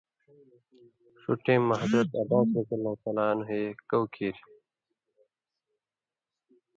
ݜُو ٹېم مہ حضرت عباسؓ اے کٶ کیریۡ